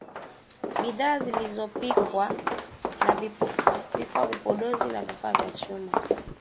bidhaa zilizopikwa vipodozi na vifaa vya chuma